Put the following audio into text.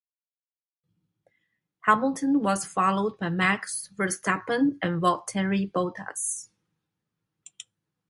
Hamilton was followed by Max Verstappen and Valtteri Bottas.